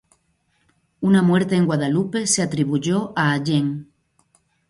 Una muerte en Guadalupe se atribuyó a Allen.